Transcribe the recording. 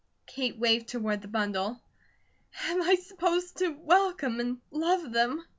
Kate waved toward the bundle: "Am I supposed to welcome and love them?"